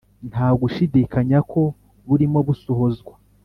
nta gushidikanya ko burimo busohozwa